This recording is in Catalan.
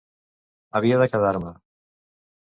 Havia de quedar-me.